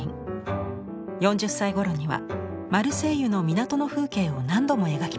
４０歳頃にはマルセイユの港の風景を何度も描きました。